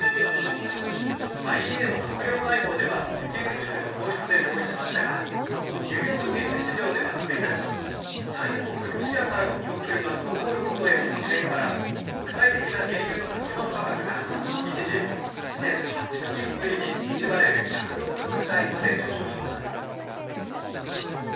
ＩＥＡの閣僚会合では、石油備蓄の放出で合意しましたが、ニューヨーク原油市場では１日、産油国、ロシアからの供給が滞ることへの懸念から、国際的な原油の先物価格が一時、７年８か月ぶりに１バレル１０６ドル台まで上昇しました。